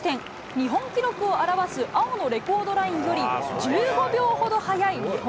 日本記録を表す青のレコードラインより１５秒ほど速い日本